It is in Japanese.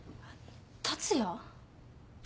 達也？